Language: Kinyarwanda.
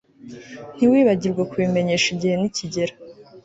Ntiwibagirwe kubimenyesha igihe nikigera